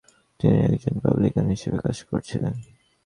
তিনি একজন পাবলিকান হিসাবে কাজ করছিলেন।